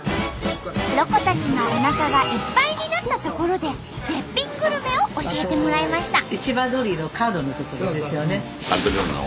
ロコたちのおなかがいっぱいになったところで絶品グルメを教えてもらいました。